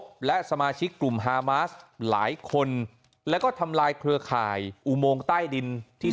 สมาชิกกลุ่มฮามาสหลายคนแล้วก็ทำลายเครือข่ายอุโมงใต้ดินที่